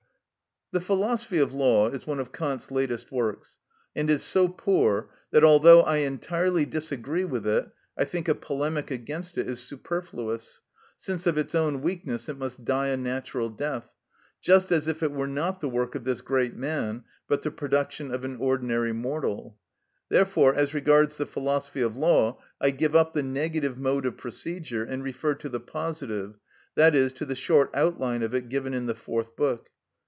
‐‐‐‐‐‐‐‐‐‐‐‐‐‐‐‐‐‐‐‐‐‐‐‐‐‐‐‐‐‐‐‐‐‐‐‐‐ The "Philosophy of Law" is one of Kant's latest works, and is so poor that, although I entirely disagree with it, I think a polemic against it is superfluous, since of its own weakness it must die a natural death, just as if it were not the work of this great man, but the production of an ordinary mortal. Therefore, as regards the "Philosophy of Law," I give up the negative mode of procedure and refer to the positive, that is, to the short outline of it given in the fourth book.